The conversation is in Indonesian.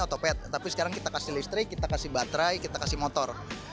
otopet tapi sekarang kita kasih listrik kita kasih baterai kita kasih motor